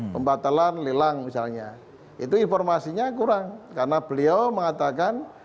pembatalan lelang misalnya itu informasinya kurang karena beliau mengatakan